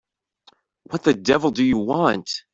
What the devil do you want?